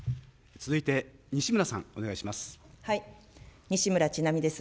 続いて西村さん、お願いします。